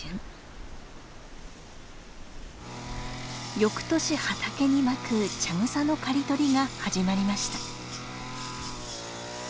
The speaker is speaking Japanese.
翌年畑にまく茶草の刈り取りが始まりました。